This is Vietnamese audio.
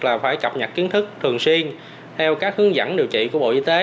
là phải cập nhật kiến thức thường xuyên theo các hướng dẫn điều trị của bộ y tế